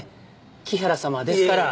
木原様はですから。